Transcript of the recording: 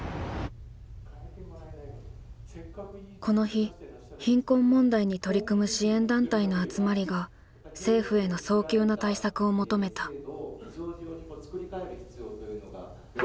この日貧困問題に取り組む支援団体の集まりが政府への早急な対策を求めた。